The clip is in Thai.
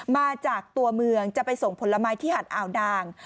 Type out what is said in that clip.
มาจากตัวเมืองจะไปส่งผลไม้ที่หัดอ่าวนาง